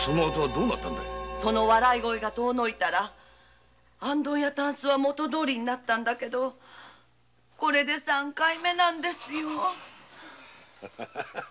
その笑い声が遠のいたら元どおりになったんだけどこれで三回目なんですよ。